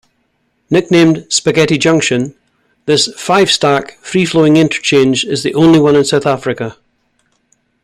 Nicknamed "Spaghetti Junction", this five-stack free-flowing interchange is the only one in South Africa.